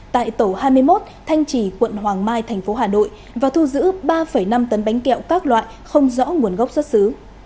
tại tổ hai mươi một thanh trì quận hoàng mai thành phố hà nội và thu giữ ba năm tấn bánh kẹo các loại không rõ nguồn gốc xuất xứ